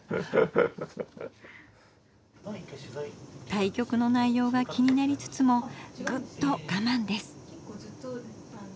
対局の内容が気になりつつもぐっとがまんです。